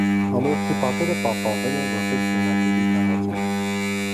Ամրոցի պատերը պահպանվել են որպես բնակելի տարածք։